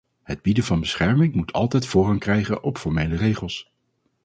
Het bieden van bescherming moet altijd voorrang krijgen op formele regels.